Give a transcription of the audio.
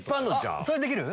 それできる？